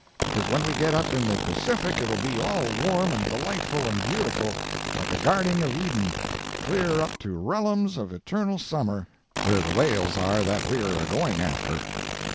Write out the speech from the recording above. Because when we get up in the Pacific it'll be all warm and delightful and beautiful, like a Garding of Eden, clear up to rellums of eternal summer, where the whales are that we're agoing after.'